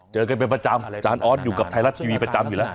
เจอกันเป็นประจำอาจารย์ออสอยู่กับไทยรัฐทีวีประจำอยู่แล้ว